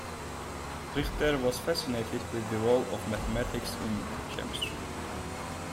Richter was fascinated with the role of mathematics in chemistry.